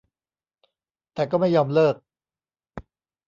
แต่ก็ไม่ยอมเลิก